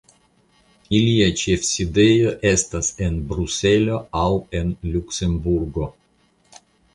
Ilia ĉefsidejo estas aŭ en Bruselo aŭ en Luksemburgo.